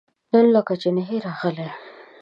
نن لکه چې نه يې راغلی؟